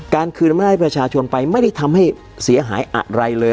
คืนอำนาจให้ประชาชนไปไม่ได้ทำให้เสียหายอะไรเลย